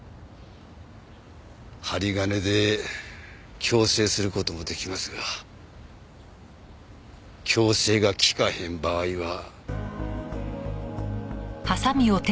針金で矯正する事も出来ますが矯正がきかへん場合は。